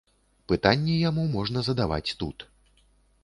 Пытанні яму можна задаваць тут.